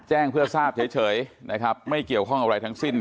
แจ้งเพื่อทราบเฉยนะครับไม่เกี่ยวข้องอะไรทั้งสิ้น